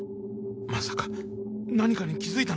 まさか何かに気付いたのか？